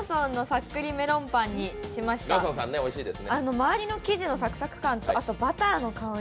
周りの生地のサクサク感とバターの香り。